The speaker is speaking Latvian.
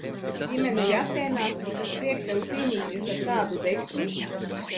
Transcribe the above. Ģimenei Atēnās, kas liek tev cīnīties ar tādu degsmi?